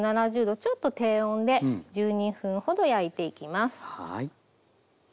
ちょっと低温で１２分ほど焼いていきます。